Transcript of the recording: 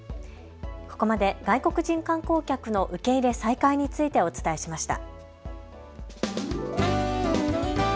ここまで外国人観光客の受け入れ再開についてお伝えしました。